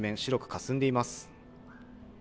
かすんでいます。